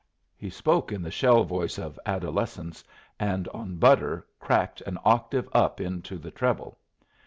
He spoke in the shell voice of adolescence, and on "butter" cracked an octave up into the treble.